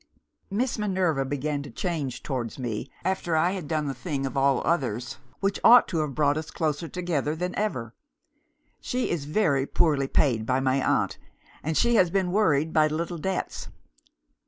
"Miss Minerva began to change towards me, after I had done the thing of all others which ought to have brought us closer together than ever. She is very poorly paid by my aunt, and she has been worried by little debts.